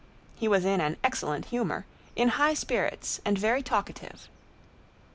He was in an excellent humor, in high spirits, and very talkative.